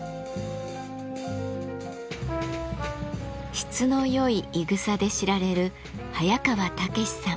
質のよいいぐさで知られる早川猛さん。